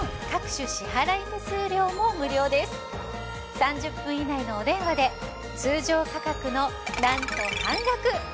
３０分以内のお電話で通常価格のなんと半額！